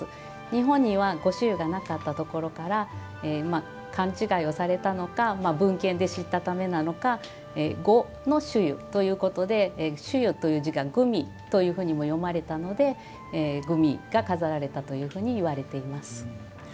日本には呉茱萸がなかったところから勘違いをされたのか文献で知ったためなのか呉の茱萸ということで茱萸が茱萸というふうにも呼ばれたので茱萸が飾られたといわれています。